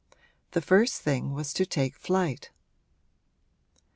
The first thing was to take flight.